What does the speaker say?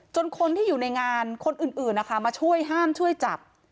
คนที่อยู่ในงานคนอื่นนะคะมาช่วยห้ามช่วยจับ